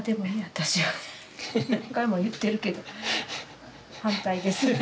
私は何回も言ってるけど反対です。